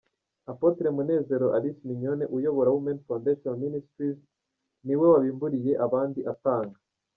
Apôtre Munezero Alice Mignone uyobora Women Foundation Ministries niwe wabimburiye abandi atanga.